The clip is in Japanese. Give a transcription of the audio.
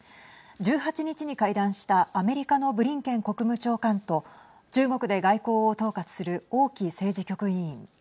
１８日に会談したアメリカのブリンケン国務長官と中国で外交を統括する王毅政治局委員。